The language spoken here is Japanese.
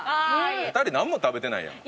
２人なんも食べてないやん。